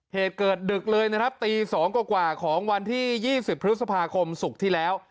เหตุเกิดดึกเลยนะครับตี๒กว่าของวันที่๒๐พฤษภาคมศุกร์ที่แล้ว